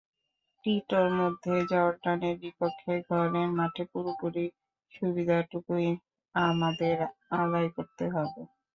টিটোর মতে, জর্ডানের বিপক্ষে ঘরের মাঠের পুরো সুবিধাটুকুই আমাদের আদায় করতে হবে।